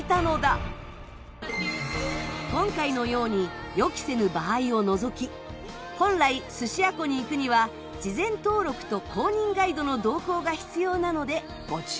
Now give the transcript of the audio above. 今回のように予期せぬ場合を除き本来スシア湖に行くには事前登録と公認ガイドの同行が必要なのでご注意を。